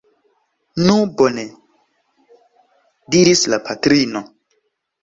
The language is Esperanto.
Nu bone! diris la patrino.